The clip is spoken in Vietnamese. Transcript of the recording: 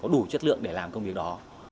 đủ chất lượng để làm công việc đó